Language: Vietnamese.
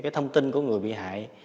thông tin của người bị hại